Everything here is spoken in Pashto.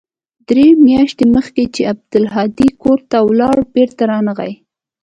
درې مياشتې مخکې چې عبدالهادي کور ته ولاړ بېرته رانغى.